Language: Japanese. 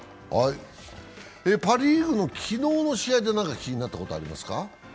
パ・リーグの昨日の試合で何か気になったことありますか？